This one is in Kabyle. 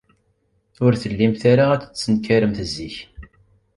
Ur tellimt ara tettenkaremt zik.